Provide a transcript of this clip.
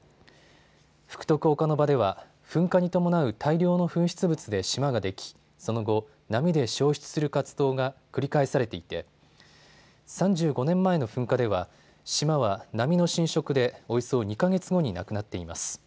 福徳岡ノ場では噴火に伴う大量の噴出物で島ができ、その後、波で消失する活動が繰り返されていて３５年前の噴火では島は波の浸食でおよそ２か月後になくなっています。